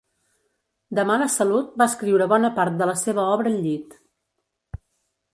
De mala salut va escriure bona part de la seva obra al llit.